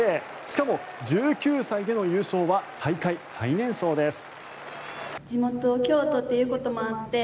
しかも、１９歳での優勝は大会最年少です。